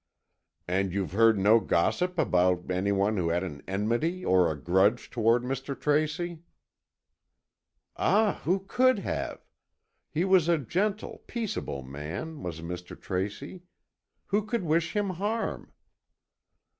"And you've heard no gossip about any one who had an enmity or a grudge toward Mr. Tracy?" "Ah, who could have? He was a gentle, peaceable man, was Mr. Tracy. Who could wish him harm?"